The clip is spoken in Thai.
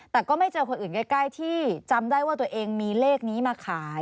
แต่ก็ไม่เจอคนอื่นใกล้ที่จำได้ว่าตัวเองมีเลขนี้มาขาย